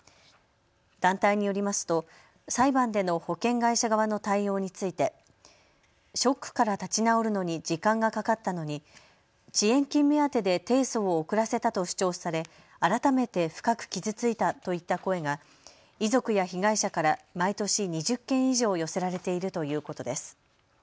団体によりますと裁判での保険会社側の対応についてショックから立ち直るのに時間がかかったのに遅延金目当てで提訴を遅らせたと主張され改めて深く傷ついたといった声が遺族や被害者から毎年２０件以上、寄せられているということです。